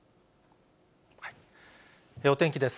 お天気です。